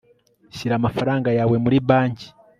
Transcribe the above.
shyira amafaranga yawe muri banki